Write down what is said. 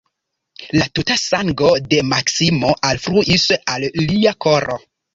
La tuta sango de Maksimo alfluis al lia koro.